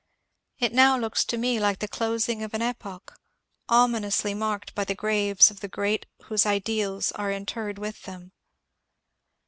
It now looks to me like the closing of an epoch, ominously marked by graves of the great whose ideals are in terred with them.